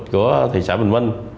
của thị xã bình minh